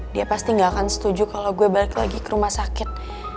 dia pasti gak akan setuju kalau gue balik lagi ke rumah sakit